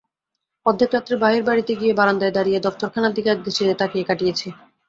অর্ধেক রাত্রে বাহির-বাড়িতে গিয়ে বারান্দায় দাঁড়িয়ে দফতরখানার দিকে একদৃষ্টে তাকিয়ে কাটিয়েছি।